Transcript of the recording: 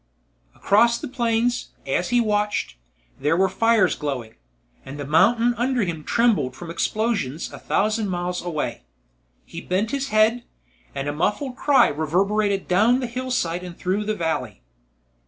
Across the plains, as he watched, there were fires glowing, and the mountain under him trembled from explosions a thousand miles away. He bent his head, and a muffled cry reverberated down the hillside and through the valley.